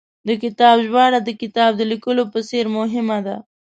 د کتاب ژباړه، د کتاب د لیکلو په څېر مهمه ده